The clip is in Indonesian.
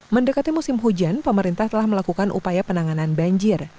mendekati musim hujan pemerintah telah melakukan upaya penanganan banjir